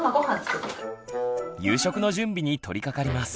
夕食の準備に取りかかります。